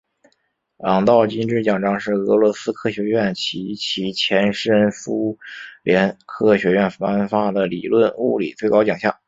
朗道金质奖章是俄罗斯科学院及其前身苏联科学院颁发的理论物理最高奖项。